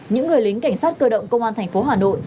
những người lính cảnh sát cơ động công an thành phố hà nội